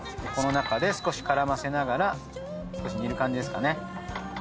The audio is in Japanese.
この中で少し絡ませながら少し煮る感じですかね。